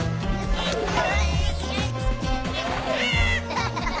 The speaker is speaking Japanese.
ア！ハハハ！